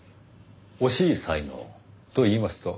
惜しい才能といいますと？